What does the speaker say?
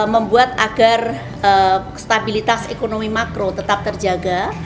membuat agar stabilitas ekonomi makro tetap terjaga